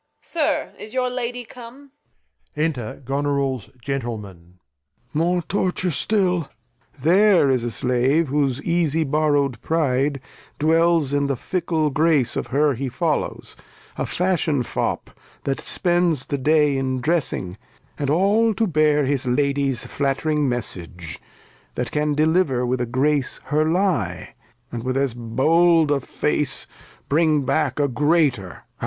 Sir, is your Lady come ? Enter Goneril's Gentleman. Lear. More Torture stiU : This is a Slave, whose easie borrow'd Pride Dwells in the fickle Grace of her he f oUows ; A Fashion fop, that spends the Day in dressing, And all to bear his Ladle's flatt'ring Message, That can dehver with a Grace her Lie, And with as bold a Face bring back a greater.